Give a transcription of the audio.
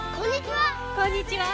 こんにちは。